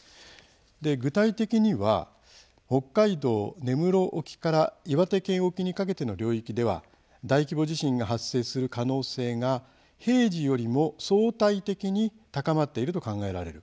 具体的には、北海道根室沖から岩手県沖にかけての領域では大規模地震が発生する可能性が平時よりも相対的に高まっていると考えられる。